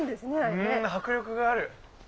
うん迫力がある。